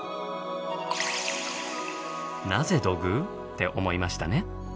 「なぜ土偶？」って思いましたね。